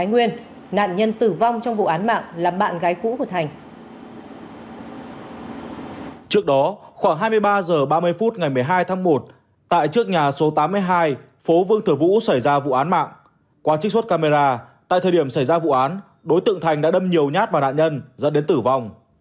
qua trích xuất camera tại thời điểm xảy ra vụ án đối tượng thành đã đâm nhiều nhát vào nạn nhân dẫn đến tử vong